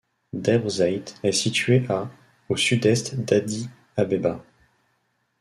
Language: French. Debre Zeit est située à au sud-est d'Addis-Abeba.